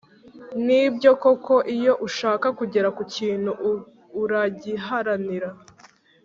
ni byo koko iyo ushaka kugera ku kintu uragiharanira,